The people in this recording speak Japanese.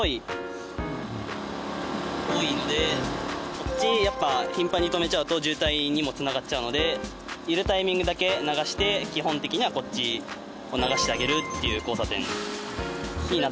こっち頻繁に止めちゃうと渋滞にも繋がっちゃうのでいるタイミングだけ流して基本的にはこっちを流してあげるっていう交差点になってます。